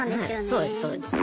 そうですそうです。